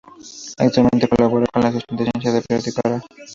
Actualmente colabora en la sección de ciencia del periódico "Ara".